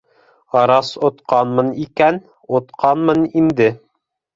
Рас отҡанмын икән, отҡанмын инде.